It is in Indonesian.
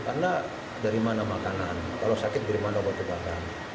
karena dari mana makanan kalau sakit dari mana buat kebakan